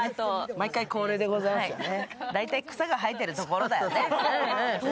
毎回恒例でございますよね。